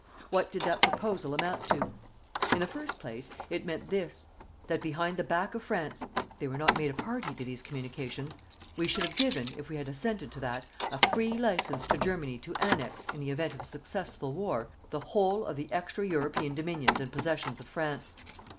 What did that proposal amount to? In the first place, it meant this: That behind the back of France they were not made a party to these communications we should have given, if we had assented to that, a free license to Germany to annex, in the event of a successful war, the whole of the extra European dominions and possessions of France.